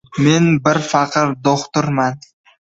Men bir faqir do‘xtirman.